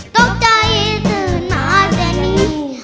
ตกใจสื่อหน้าเซนี